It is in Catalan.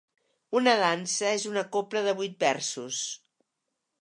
Una dansa és una cobla de vuit versos.